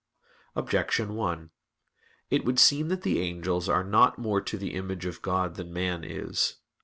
Objection 1: It would seem that the angels are not more to the image of God than man is.